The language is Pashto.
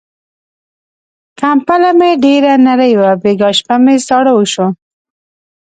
کمپله مې ډېره نری وه، بيګاه شپه مې ساړه وشو.